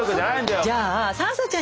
じゃあ燦咲ちゃん。